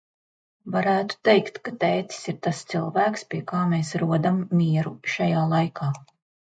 Varētu teikt, ka tētis ir tas cilvēks, pie kā mēs rodam mieru šajā laikā.